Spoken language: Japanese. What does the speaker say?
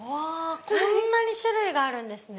こんなに種類があるんですね。